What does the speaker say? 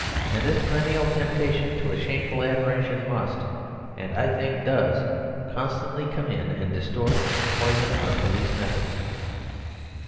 And this perennial temptation to a shameful admiration, must, and, I think, does, constantly come in and distort and poison our police methods.